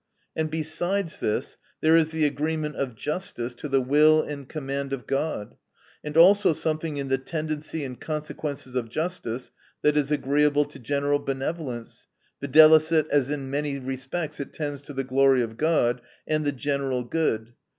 — And besides this, there is the agreement of justice to the will and command of God ; and also something in the tendency and consequences of justice, that is agreeable to general benevolence, viz., as in many respects it tends to the glory of God, and the general good.